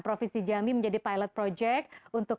provinsi jambi menjadi pilot project untuk